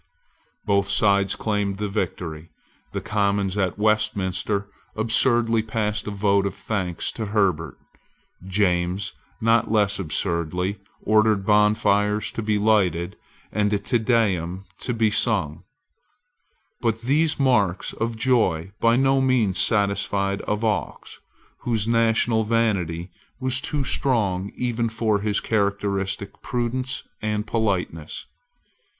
Both sides claimed the victory. The Commons at Westminster absurdly passed a vote of thanks to Herbert. James, not less absurdly, ordered bonfires to be lighted, and a Te Deum to be sung. But these marks of joy by no means satisfied Avaux, whose national vanity was too strong even for his characteristic prudence and politeness.